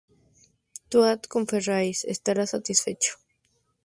Toad con Ferraris, estarás satisfecho.